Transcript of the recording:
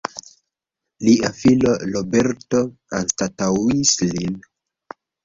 Lia filo Roberto anstataŭis lin.